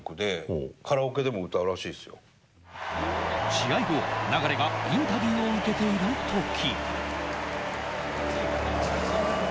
試合後、流がインタビューを受けているとき。